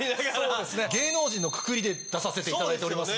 そうですね芸能人のくくりで出させていただいております。